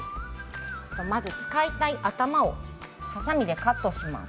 まず使いたい頭をはさみでカットします。